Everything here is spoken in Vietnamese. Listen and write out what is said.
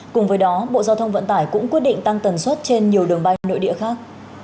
cùng với đó bộ giao thông vận tải cũng quyết định tăng tần suất trên nhiều đường bay nội địa khác